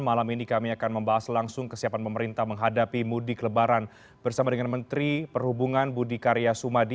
malam ini kami akan membahas langsung kesiapan pemerintah menghadapi mudik lebaran bersama dengan menteri perhubungan budi karya sumadi